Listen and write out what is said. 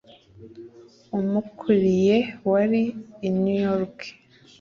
umukuriye wari i new york,